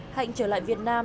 hạnh trở lại việt nam